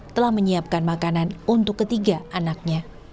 telah menyiapkan makanan untuk ketiga anaknya